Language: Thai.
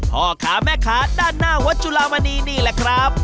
พ่อค้าแม่ค้าด้านหน้าวัดจุลามณีนี่แหละครับ